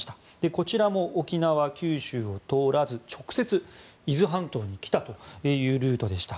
こちらも沖縄、九州を通らず直接、伊豆半島に来たというルートでした。